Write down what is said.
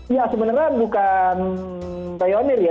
ya sebenarnya bukan pionir ya